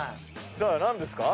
さあ何ですか？